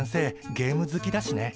ゲーム好きだしね。